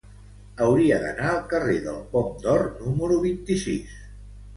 Hauria d'anar al carrer del Pom d'Or número vint-i-sis.